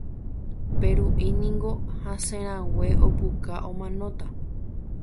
Peru'i niko hasẽrãngue, opuka omanóta.